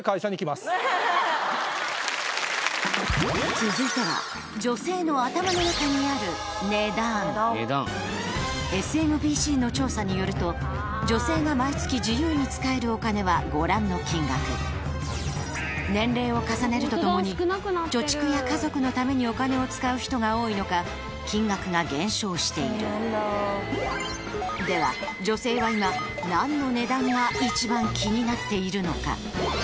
続いては女性の頭の中にあるＳＭＢＣの調査によると女性が毎月自由に使えるお金はご覧の金額年齢を重ねるとともに貯蓄や家族のためにお金を使う人が多いのか金額が減少しているでは女性は今何の値段が一番気になっているのか？